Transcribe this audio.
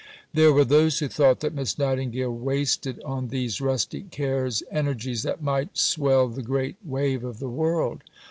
There were those who thought that Miss Nightingale wasted on these rustic cares energies that might swell the great wave of the world.